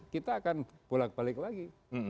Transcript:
kita akan bolak balik lagi